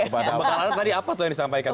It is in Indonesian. pembekalan tadi apa tuh yang disampaikan